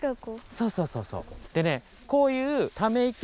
そうそうそうそう。